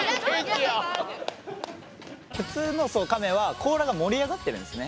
普通のカメは甲羅が盛り上がってるんですね。